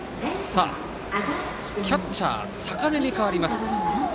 キャッチャー坂根に代わります。